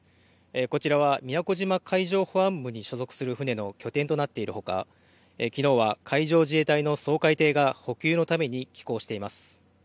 こちらは宮古島海上保安部に所属する船の拠点となっているほかきのうは海上自衛隊の掃海艇が補給のために寄港しています。